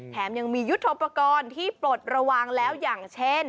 แถมยังมียุทธโปรกรณ์ที่ปลดระวังแล้วอย่างเช่น